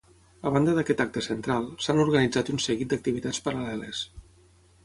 A banda aquest acte central, s’han organitzat un seguit d’activitats paral·leles.